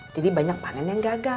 banyak panen yang gagal